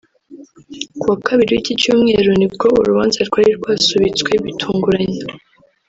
Ku wa kabiri w’icyi cyumweru ni bwo urubanza rwari rwasubitswe bitunguranye